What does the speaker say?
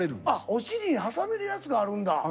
お尻に挟めるやつがあるんだ。